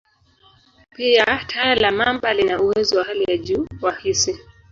Pia, taya la mamba lina uwezo wa hali ya juu wa hisi.